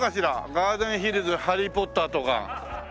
「ガーデンヒルズハリー・ポッター」とか。